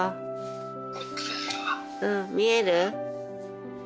うん見える？